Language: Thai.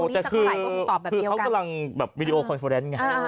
แต่คือเขากำลังวิดีโอคอนเฟอร์แรนด์ไง